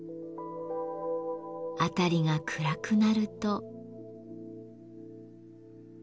辺りが暗くなると。